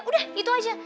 udah itu aja